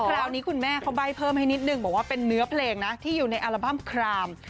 คราวนี้คุณแม่เขาใบ้เพิ่มให้นิดนึงบอกว่าเป็นเนื้อเพลงนะที่อยู่ในอัลบั้มคราม